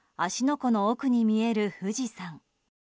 湖の奥に見える富士山。